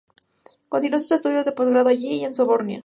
Continuó sus estudios de posgrado allí y en la Sorbona.